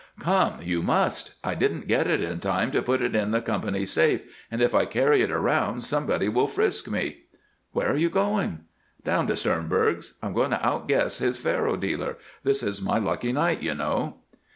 "Come! you must! I didn't get it in time to put it in the company's safe, and if I carry it around somebody will frisk me." "Where are you going?" "Down to Sternberg's. I'm going to outguess his faro dealer. This is my lucky night, you know."